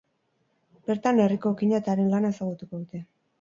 Bertan, herriko okina eta haren lana ezagutuko dute.